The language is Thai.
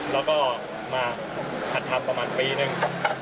แล้วก็มาหัดทำประมาณปีหนึ่ง